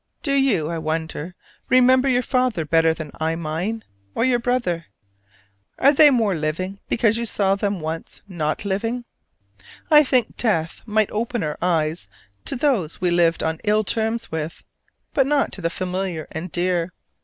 Do you, I wonder, remember your father better than I mine: or your brother? Are they more living because you saw them once not living? I think death might open our eyes to those we lived on ill terms with, but not to the familiar and dear.